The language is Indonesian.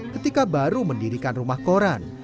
ketika baru mendirikan rumah koran